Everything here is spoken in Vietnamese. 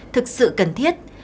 thực sự cần thiết